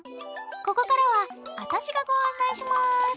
ここからはあたしがご案内します。